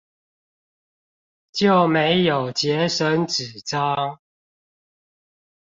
就沒有節省紙張